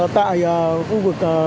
tại khu vực